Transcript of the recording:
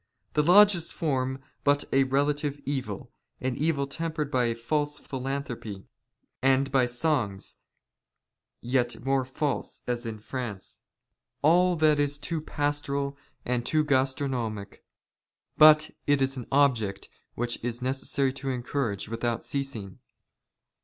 The lodges form but a relative evil, " an evil tempered by a false philanthropy, and by songs yet "more false as in France. All that is too pastoral and too ''gastronomic ; but it is an object which it is necessary to en " courage without ceasing.